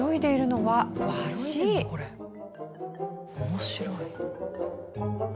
面白い。